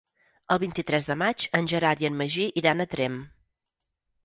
El vint-i-tres de maig en Gerard i en Magí iran a Tremp.